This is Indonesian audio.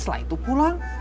setelah itu pulang